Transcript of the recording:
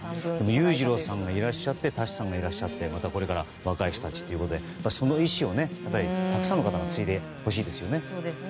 裕次郎さんがいらっしゃって舘さんがいらっしゃってまたこれから若い人たちということでその遺志をたくさんの方が継いでほしいですよね。